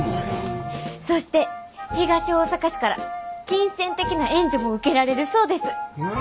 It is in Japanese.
そして東大阪市から金銭的な援助も受けられるそうです！